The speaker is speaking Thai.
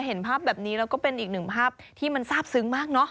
เห็นภาพแบบนี้แล้วก็เป็นอีกหนึ่งภาพที่มันทราบซึ้งมากเนอะ